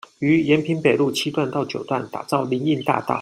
於延平北路七段到九段打造林蔭大道